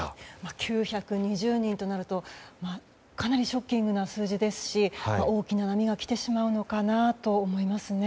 ９２０人となるとかなりショッキングな数字ですし大きな波が来てしまうのかなと思いますね。